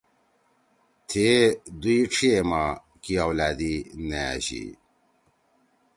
تھیئے دوئی ڇھیئے ما کی اولادی نہ أشی۔